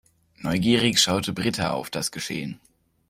Neugierig schaute Britta auf das Geschehen.